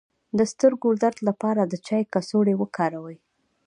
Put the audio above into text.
د سترګو درد لپاره د چای کڅوړه وکاروئ